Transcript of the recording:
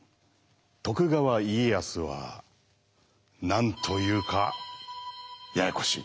徳川家康は何というかややこしい。